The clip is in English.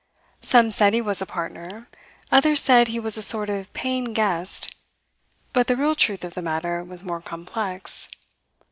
Some said he was a partner, others said he was a sort of paying guest, but the real truth of the matter was more complex.